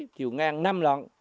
chiều ngang năm lận